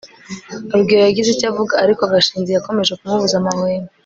rugeyo yagize icyo avuga, ariko gashinzi yakomeje kumubuza amahwemo